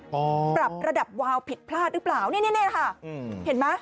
ปรับระดับวาวผิดพลาดหรือเปล่านี่เนี่ยค่ะอืมเห็นไหม